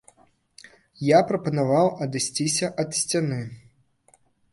Я прапанаваў адысціся да сцяны.